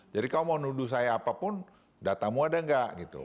jadi kalau mau nuduh saya apapun datamu ada atau tidak